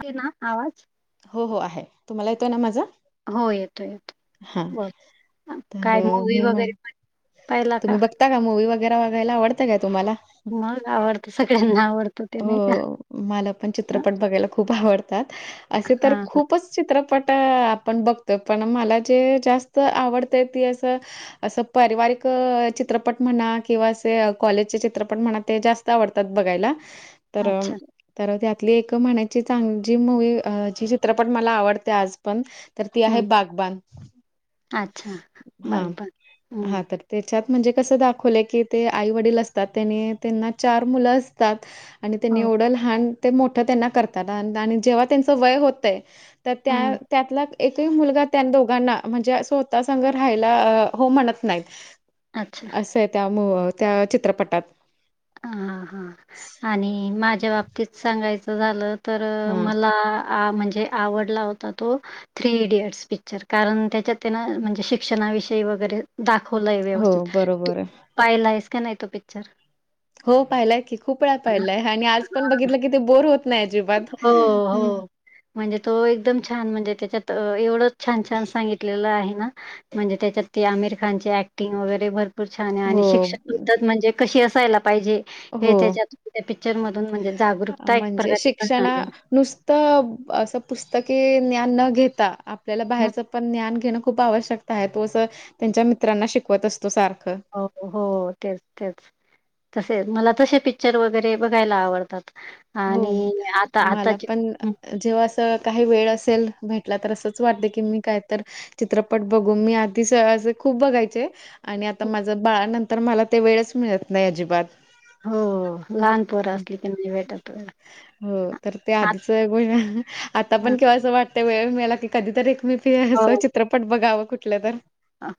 हे ना आवाज हो हो आहे तुम्हाला येतोय ना माझा हो येतो हां. येतो बर तर काय अ, मूवी वगैरे पहिला का काूवी वगैरे वगायला आवडतं का तुम्हाला? मग आवडत सगळ्यांना आवडत ते नाही का? हो. मला पण [unintelligible] हा चित्रपट आपण बघतोय पण मला जे जास्त आवडतय ती असं. असं पारिवारिक चित्रपट म्हणा किंवा असे कॉलेजचे चित्रपट म्हणा ते जास्त आवडतात बघायला. तर अच्छा तर त्यातली एक महिन्याची चांग ज मूवी ज चित्रपट मला आवडते आज पण तर ती आहे हम्म बागबान अच्छा हा बर बर हा हम्म तर त्याच्यात म्हणजे कसं दाखवलं की ते आई वडील असतात त्यांनी त्यांना चार मुलं असतात. आणि त्यांनी हो एवढं लहान ते मोठं त्यांना करतात आणि जेव्हा त्यांच वय होतंय. तर त्या हम्म त्यातला. एक मुलगा त्या दोघांना म्हणजे स्वतः संघ राहायला हो म्हणत नाहीत. अच्छा असं आहे त्या त्या चित्रपटात हां हां आणि माझ्या बाबतीत सांगायचं झालं तर हां. मला आ म्हणजे आवडला होता तो थ्री इडियट्स पिक्चर कारण त्याच्यात त्यां ना म्हणजे शिक्षणाविषयी वगैरे दाखवलंय हो, व्यवस्थित बरोबर आहे. पाहिला आहेस का नाही तो पिक्चर हो पाहिलाय की खूप वेळा पाहिलाय आणि आज पण बघितलं की ते बोर होत. नाहीजी बात. हो, हो. म्हणजे तो एकदम छान म्हणजे त्याच्यात एवढं छान छान सांगितलेलं आहे ना. म्हणजे त्याच्यात ते आमिर खानची ऍक्टिंग वगैरे भरपूर छान आहे आणि हो, शिक्षक होतात म्हणजे कशी असायला. ेच्या हो. पिक्चरणजेरक प्रकार कषणा नुसतं असं पुस्तके ज्ञान न घेता. आपल्याला हं. बाहेरचं पण ज्ञान घेणं खूप आवश्यकता आहे तो असं त्यांच्या मित्रांना शिकवत असतो सारखं. हो हो तेच तेच. तसे मला तसे पिक्चर वगैरे बघायला आवडतात हो आणि आता मला आताचे. पण जेव्हा असं काही वेळ असेल भेटला तर असंच वाटते की मी कायत चित्रपट बघून मी आधी असे खूप बघायचे. आणि आता माझ बाळानंतर मला ते वेळच मिळत नाही अजिबात हो लहान पोरं असली की नाही भेटत. वेळ. हो तर ते आत आधीच ग आता पण केव्हा असं वाटत. त्या वेळ मला की कधी तर एक मी फि हो. असं चित्रपट बघावं कुठलं तर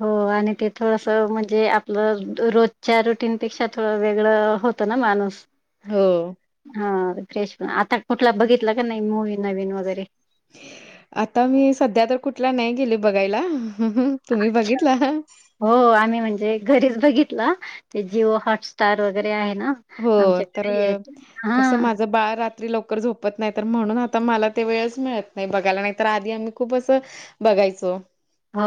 हो आणि ते थोडस म्हणजे आपलं रोजच्या रुटीनपेक्षा थोडं वेगळं होत. ना माणूस हो. हा फ्रेश प आता कुठला बघितलं का नाही मूवी नवीन वगैरे आता मी सध्या तर कुठला नाही गेले बघायला तुम्ही बघितला. हो आम्ही म्हणजे घरीच बघितला ते जिओ हॉटस्टार वगैरे आहे ना. हो तर आमच्याकडे हा कस माझ बाळ. लवकर झोपत नाही तर म्हणून आता मला ते वेळच मिळत नाही बघायला नाही तर आधी आम्ही खूप असं. बघायचो. हो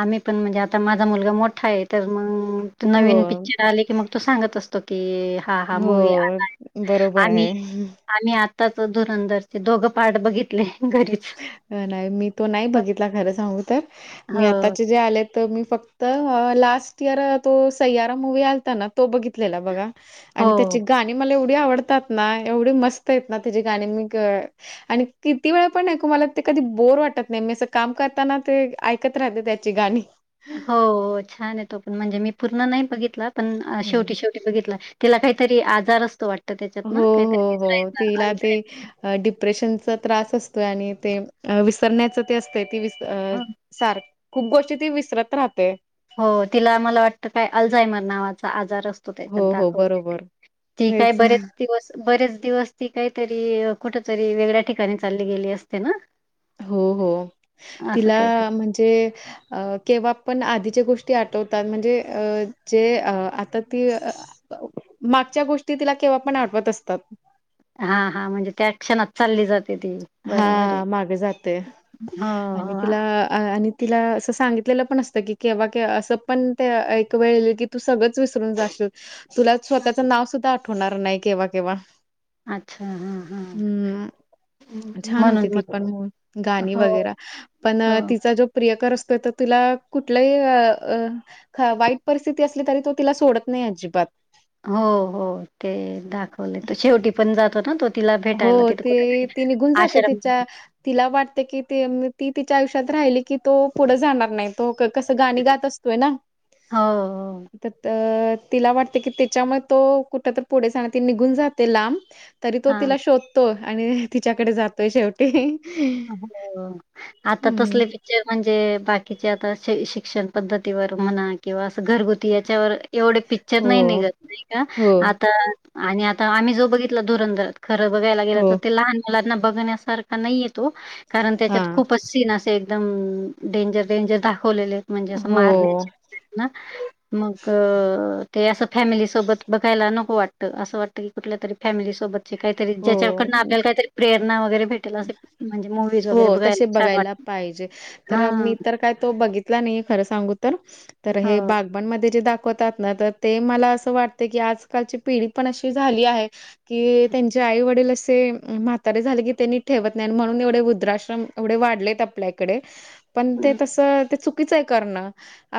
आम्ही पण म्हणजे आता माझा मुलगा मोठा आहे तर मग नवीन हो, पिक्चर आले की मग तो सांगत असतो की हा हा मूवी आा हो, आहे बरोबर आणि आहे. आम्ही आत्ताच धुरंधरचे दोघं पाठ बघितले घरीचे नाही मी तो नाही बघितला खरं सांगू तर मी हो आताचे जे आले. तर मी फक्त लास्ट इयर तो सय्याारा मुूवी् आलता ना तो बघितलेला बघा. आणि हो त्याचे गाणी मला एवढी आवडतात ना एवढी मस्त आहेत ना त्याची गाणी मी आणि किती वेळ? पण ऐकू मला ते कधी बोर वाटत नाही मी अस काम करताना ते ऐकत राहते त्याची गाणी हो छान आहे तो पण म्हणजे मी पूर्ण नाही बघितला पण हं. शेवटी शेवटी बित त्याला काहीतरी आजार असतो वाट हो हो हो तिला ते डिप्रेशनचा त्रास असतोय आणि ते विसरण्याच ते असतंय ती विस हं. सारख खूप गोष्टी ती विसरत राहते हो तिला मला वाटतं काय अलझायमर नावाचा आजार असतो त्याच्यात हो, हो. दाखवते बरोबर. ती काय तेच. बरेचस्त बरेच दिवस ती काहीतरी कुठ तरी वेगळ्या ठिकाणी चालली गेली असते ना हो हो असं तिला काहीतरी. म्हणजे अ केव्हा पण आधीच्या गोष्टी आठवतात म्हणजे अ जे अ आता ती मागच्या गोष्टी तिला केव्हा पण आठवत असतात हा हा म्हणजे त्या क्षणात चालली जाते ती बरोबर आहे ति हो, हो. आणि तिला असं सांगितलेलं पण असतं की केव्हा क असं पण ते एक वेळ येईल की तू सगळंच विसरून जाशील तुला स्वतःच नाव सुद्धा आठवणार नाही केव्हा केव्हा अच्छा हा हा छान होती म्हणून ती म पण गाणी वगैरे पण हो. तिचा जो प्रियकार असतोय तर तुला कुठलंही अ वाईट परिस्थिती असली तरी तो तिला सोडत नाही अजिबात हो हो ते दाखवले त शेवटी पण जातो ना तो तिला हो भेटायला तिथं तेी कुठेतरी ती निघून जाते आश्रम तिच्या तिला वाटते की ती तिच्या आयुष्यात राहिली की तो पुढं जाणार नाही तो कसं गाणी गात असतोय ना हो, हो. तर तिला वाटते कि त्याच्यामुळे तो कुठ तर पुढे सना ती निघून जाते लांब तरी तो हां. तिला शोधतो आणि तिच्याकडे जातोय शेवट हो. आता हम्म तसले म्हणजे बाकीचे आता शिक्षण पद्धतीवर म्हणा किंवा अस घरगुती याच्यावर एवढे पिक्चर नाही हो. निघत नाही का हो, आता आणि आता आम्ही जो बघितला धुरंधर खरं बघायला गेलं हो, तर ते लहान मुलांना बघण्यासारखा नाहीये. तो. कारण त्याच्यात हां. खूपच सीन असे एकदम डेंजर डेंजर दाखवलेले म्हणजे असं हो. मारण्या ना मग ते असं फॅमिलीसोबत बघायला नको वाटतं असं वाटतं की कुठल्या तरी फॅमिलीसोबत काहीतरी ज्याच्याकडून हो. आपल्याला काहीतरी प्रेरणा वगैरे भेटेल असे म्हणजे मूवीज वगैरे हो तसे छान बघायला वाटत पाहिजे तर हा मी तर काय तो बघित नाही खर सांगू तर तर हे हो बा आपण मध्ये जे दाखवतात ना तर ते मला असं वाटते की आजकालची पिढी पण अशी झाली आहे कि त्यांचे आई वडील असे म्हातारे झाले की त्यांनी ठेवत नाही म्हणून एवढे वुध्राश्रम एवढे वाढलेत आपल्या इकडे पण ते हं, तस ते च नुच करणं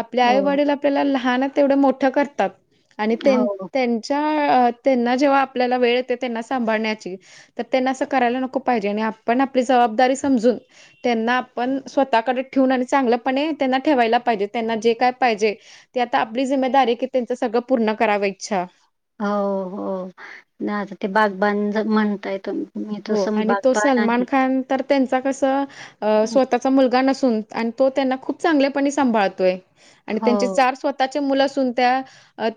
आपल्या हो आईवडील आपल्याला लहान तेवढं मोठं करतात आणि हो त्यांना जेव्हा आपल्याला वेळ येते त्यांना सांभाण्याची त्यांना अस करायला नको पाहिजे आणि आपण आपली जबाबदारी समजून त्यांना आपण स्वतःकडे ठेवून आणि चांगलंपणे त्यांना ठेवायला पाहिजे त्यांना जे काय पाहिजे ती आता आपली जिमेदारी आहे की त्यांचं सगळं पूर्ण कराव इच्छा हो हो आता ते बागबान म्हणताय तुम्ही मी हो तसं आणि तो बागबान सलमान आणि खान तर त्यांचा कसं स्वतःचा मुलगा नसून आणि तो त्यांना खूप चांगलेपणे सांभाळतोय आणि हो त्यांचे चार स्वतः आताचे मुलं असून त्या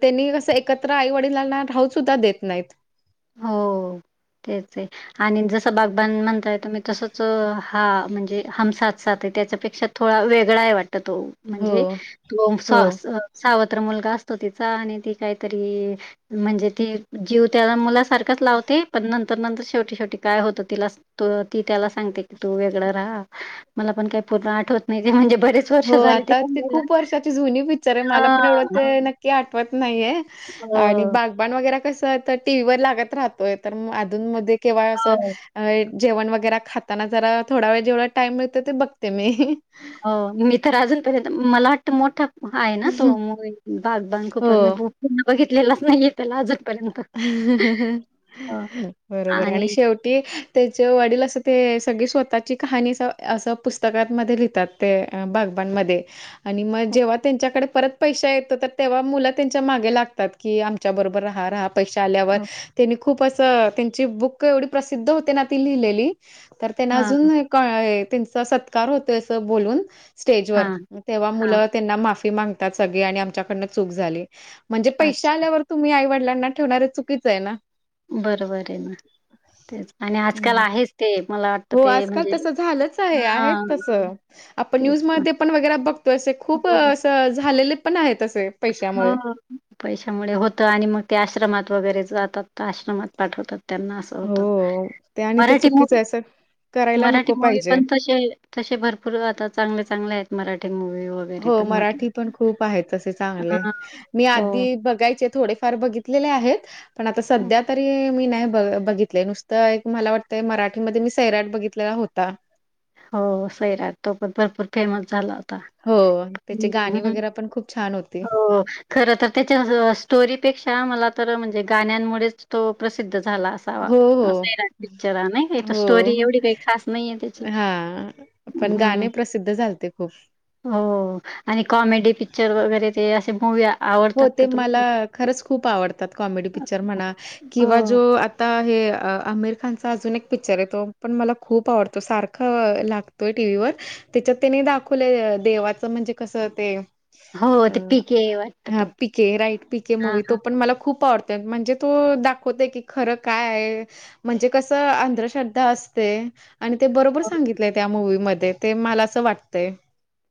त्यांनी असं एकत्र आईवडिलांना राहू सुद्धा देत नाहीत. हो तेच आहे आणि जसं बागबान म्हणताय तुम्ही तसच हा म्हणजे हम साथ साथ है त्याच्यापेक्षा थोडा वेगळा आहे वाट त तो हो म्हणजे तुमचं हो अस. सावत्र मुलगा असतो तिचा आणि ती काहीतरी म्हणजे ती जीव त्या मुला. सारखाच लावते पण नंतर. तर नंतर शेवटी शेवटी काय होतं तिला तो ती त्याला सांगते की तू वेगळं राहा. मला पण काही पूर्ण आठवत नाही ते म्हणजे बरेच. हो वर्ष झाले ते आता पण ती लिहिलं. खूप वर्षाची जुनी पिक्चर आहे मला हां. पण एवढं ते हां, नक्की. की आठवत नाहीये आणि हो, बाग. बाण वगैरे कस तर टी व्ही वर लागत राहतोय तर अधून मध्ये केव्हा अस. हो. अ जेवण वगैरे खाताना जरा थोडा वेळ जेवढ टाइम मिळतो ते बघते मी. हो मी तर अजूनपर्यंत मला वाटत मोठा आहे ना तो मुव्ही बागबाण खूपच मी. हो. पूर्ण बघितलेलाच नाहीये त्याला अजून. बरोबर आणि शेवट. की त्याचे वडील असं ते सगळी स्वतःची कहाणी अस असं पुस्तकांमध्ये लिहितात. ते बागबाण मध्ये. आणि मग जेव्हा त्यांच्याकडे परत पैसा येतो तर तेव्हा मुला त्यांच्या मागे लागतात की आमच्या बरोबर रहा. हा राहा पैसे आल्यावर हो. त्यांनी खूप असं त्यांची बुक एवढी प्रसिद्ध होते ना ती लिहिलेली. तर त्यांना हां, अजून त्यांचा सत्कार होतो अस बोलून. स्टेजवर हां, तेव्हा हां. मुलं त्यांना माफी मागतात सगळी आणि आमच्याकडनं चूक झाली. म्हणजे पैसे अच्छा. आल्यावर तुम्ही आई वडिलांना ठेवणारे चुकीच आहे ना. बरोबर आहे ना तेच आणि आजकाल हं. आहेच ते मला वाटत. हो आजकाल तसं झालंच आहे आहे तसं. आपण न्यूज तेच ना. मध्ये पण वगैरे बघतोय असे खूप असं झालेले पण आहेत असे. पैशामुळे. हां. पैशामुळे होतं आणि मग ते आश्रमात वगैरे जातात तर आश्रमात पाठवतात त्यांना असं. होत हो ते आणि ते मराठी मू चुकीचं आहे असं करायला मराठी नको मूवी पाहिजे. पण तसे हाय. तसे भरपूर आता चांगले चांगले आहेत मराठी मुवी वर. हो मराठी पण खूप आहेत तसे चांगले. हां, मी हो. आधी बघायचे थोडेफार बघितलेले आहेत पण आता सध्या तरी मी नाही बघ बघित. तले नुसतं एक मला वाटतंय मराठीमध्ये मी सैराट बघितलेला होता. हो सैराट तो पण भरपूर फेमस झाला. हो त्याचे हं, गाणी वगैरे पण खूप छान होती. खर तर त्याच्या स्टोरीपेक्षा मला तर म्हणजे गाण्यांमुळेच तो प्रसिद्ध झाला अस. असावा हो हो. सैराट पिक्चर नाही का स्टोरी एवढी काही खास नाहीये त्याची. हा पण हं. गाणे प्रसिद्ध झालते खूप. हो आणि कॉमेडी पिक्चर वगैरे ते असे मूव्या. हो ते मला खरंच खूप आवडतं. कॉमेडी पिक्चर म्हणा किंवा हो. जो आता हे आमिर खान. असा अजून एक पिक्चर आहेे तो पण मला खूप आवडतो सारखा लागतोय टी व्ही वर. त्याच्यात त्यांनी दाखवले देवाचं म्हणजे कसं ते. हो ते पीके. हा तो. पीके राईट पीके हां, मूवी तो हां. पण. मला खूप आवडत म्हणजे तो दाखवतोय की खरं काय आहे. म्हणजे कसं अंधश्रद्धा असते. आणि ते बरोबर सांगितलंय त्या मूवी मध्ये ते मला असं वाटतंय.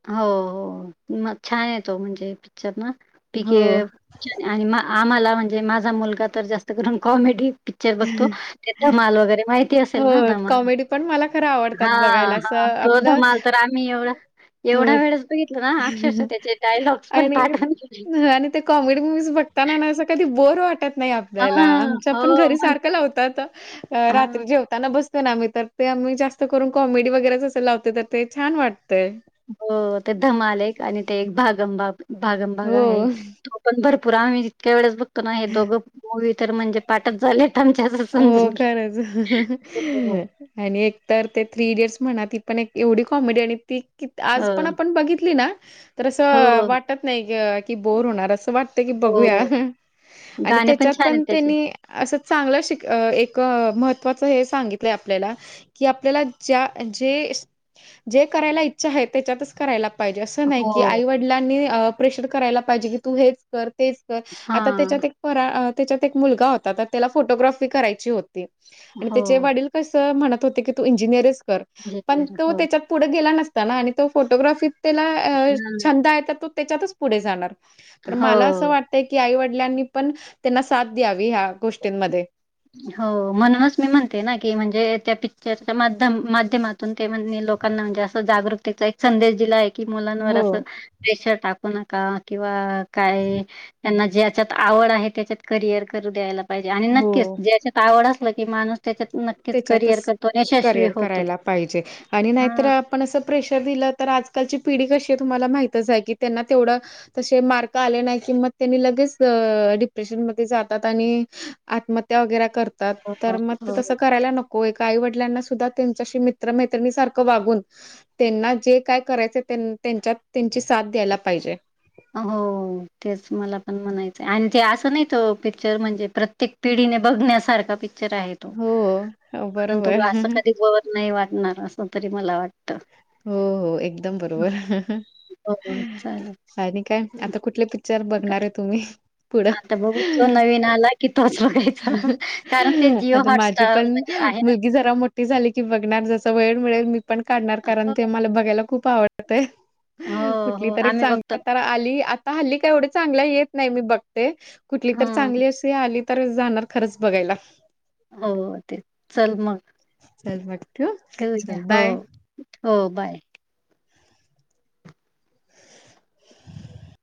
हो हो म छान आहे तो म्हणजे पिक्चर ना. पी. हो. के. आणि आम्हांला म्हणजे माझा मुलगा तर जास्त करून कॉमेडी. पिक्चर बघतो ते धमाल वगैरे माहिती हो, असेल ना धमाल कॉमेडी पण मला खरं आवडतात हा. बघायला. असं ह तो आपलं धमाल तर आम्ही एवढा. एवढ्या अ, वेळस बघितलं ना अक्षरशः त्याचे डायलॉग्स पण आणि पाठ आहे. हं, आणि ते कॉमेडी मूव्हीज बघताना ना असं कधी बोर वाटत नाही आपल्याला हां, आमच्यापण हो घरीच. मग सारखं लावतात हां, रात्री जेव. ताना बसत ना आम्ही तर ते आम्ही जास्त करून कॉमेडी वगैरेचं लावतो तर ते छान वाटतेय. हो हो ते धमाल एक आणि ते एक भागमभाग, भागमभाग हो. आहे. तो पण भरपूर आम्ही जितक्या वेळेस बघतो ना हे दोघं मूवी तर म्हणजे पाठच झालेत. आमच्या असं समजून हो घे खरंच. हो. आणि एक तर ते थ्री इडियटस म्हणा ती पण एक एवढी कॉमेडी आणि ती कि आज हो, पण आपण बघितली ना. तर असं हो, वाटत नाही की बोर होणार असं वाटतं की हो, बघूया. हो. आणि गाणे त्याच्यात छान आहेत पण त्याचे. त्यांनी असं चांगलं शिक. एक महत्त्वाचं हे सांगितलंय आपल्याला की आपल्याला ज्या जे जे करायला इच्छा आहे त्याच्यातच कराय लागतं. जे असं नाही की हो. आई वडिलांनी प्रेशर करायला पाहिजे की तू हेच कर तेच कर हा आता त्याच्यात एक फरा त्याच्यात एक मुलगा होता तर त्याला फोटोग्राफी करायची होती. हो त्याचे वडील कसं म्हणत होते की तू इंजिनियरच कर पण झेवियर तो हो त्याच्या पुढे गेला नसताना आणि तो फोटोग्राफीत त्याला हम्म. छंद आहे तर तो त्याच्यातच पुढे जाणार. तर मला असं हो वाटतंय की आई वडिलांनी पण त्यांना साथ द्यावी ह्या गोष्टींमध्ये हो म्हणूनच मी म्हणते ना की म्हणजे त्या पिक्चरच्या माध्यम माध्यमात ते लोकांना म्हणजे असं जागृकतेचा एक संदेश दिला आहे. मुलांवर हो अस प्रेशर टाकू नका किंवा काय त्यांना जे त्यात आवड आहे त्याच्यात करियर करू द्यायला पाहिजे आणि हो नक्कीच ज्याच्यात आवड असलं की माणूस त्याच्यात नक्कीच करिअर त्याच्यातच करतो आणि यशस्वी करिअर होतो करायला पाहिजे आणि नाहीतर हा आपण असं प्रेशर दिलं तर आजकालची पिढी कशी आहे तुम्हाला माहितच आहे की त्यांना तेवढं. तसे मार्क आले नाही कि मग त्यांनी लगेच डिप्रेशन मध्ये जातात आणि आत्महत्या वगैरे करतात हो हो तर मग ते हो. तसं. करायला नको एका आई वडिलांना सुद्धा त्यांच्याशी मित्रमैत्रिणी सारखं वागून त्यांना जे काय करायचं त्यांच्यात त्यांची साथ द्यायला पाहिजे. हो तेच मला पण म्हणायचं आणि ते असं नाही त पिक्चर म्हणजे प्रत्येक पिढीने बघण्यासारखा पि हो बरोबर [unintelligible] अस कधी वर नाही वाटणार अस तरी मला वाट. हो-हो एकदम बरोबर. हो हो, चालेल काय हं. आता कुठले पिक्चर बघणार आहे तुम्ही? पुढं? आता बघू जो नवीन आला की तोच‌ बघू. आता माझी पण म्हणजे आहे ना मुलगी जरा मोठी झाली की बघणार जस वेळ मिळेल मी पण काढणार कारण ते मला बघायला खूप आवडत आहे. हो कुठली हो तरी आम्ही बघतो चांगली तर आली. आता हल्ली काय एवढ्या चांगल्या येत नाही मी बघते कुठली तर ह चांगली अशी आली. तर जाणार खरंच बघायला. हो ते चल मग चल मग ठेवू ठेवूया चल हो बाय. हो बाय. [unintelligible]